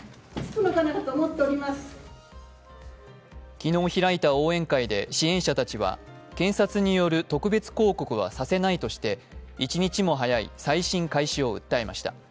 昨日開いた応援会で支援者たちは検察による特別抗告はさせないとして１日も早い再審開始を訴えました。